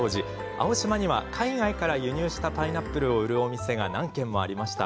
青島には、海外から輸入したパイナップルを売るお店が何軒もありました。